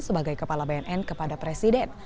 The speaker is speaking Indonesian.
sebagai kepala bnn kepada presiden